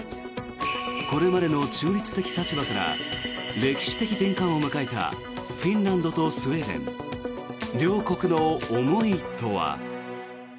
これまでの中立的立場から歴史的転換を迎えたフィンランドとスウェーデン両国の思いとは。